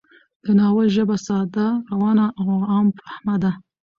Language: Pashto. د ناول ژبه ساده، روانه او عام فهمه ده